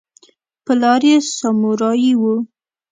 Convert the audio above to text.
پلار یې سامورايي و.